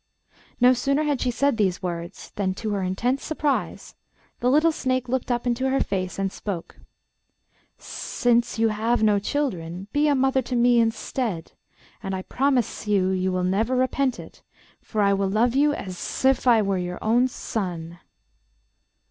No sooner had she said these words than, to her intense surprise, the little snake looked up into her face and spoke: 'Since you have no children, be a mother to me instead, and I promise you will never repent it, for I will love you as if I were your own son.